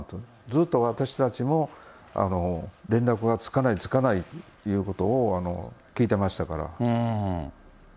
ずっと私たちも連絡がつかない、つかないっていうことを聞いてましたから。